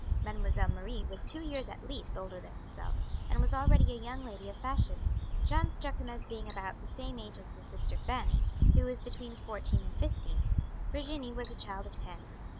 Mademoiselle Marie was two years at least older than himself, and was already a young lady of fashion. Jeanne struck him as being about the same age as his sister Fanny, who was between fourteen and fifteen. Virginie was a child of ten.